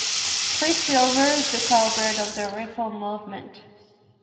Free silver is the cow-bird of the reform movement.